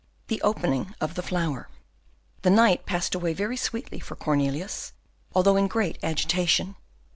The Opening of the Flower The night passed away very sweetly for Cornelius, although in great agitation.